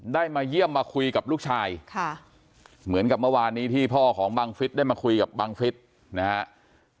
ได้มาเยี่ยมมาคุยกับลูกชายค่ะเหมือนกับเมื่อวานนี้ที่พ่อของบังฟิศได้มาคุยกับบังฟิศนะครับ